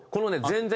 全然！？